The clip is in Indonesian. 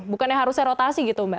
bukannya harusnya rotasi gitu mbak